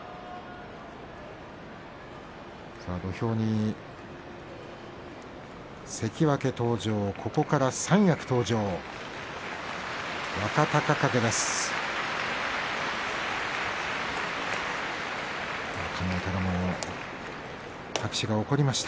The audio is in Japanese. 土俵に関脇登場、ここから三役が登場してきます。